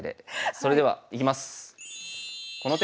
それではいきます。